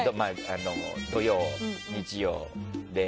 土曜、日曜で。